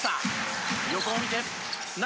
横を見て中。